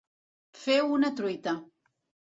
Fer una truita.